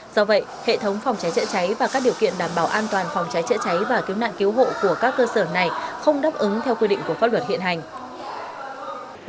do vậy hệ thống phòng cháy chữa cháy và các điều kiện đảm bảo an toàn phòng cháy chữa cháy và cứu nạn cứu hộ của các cơ sở này không đáp ứng theo quy định của pháp luật hiện hành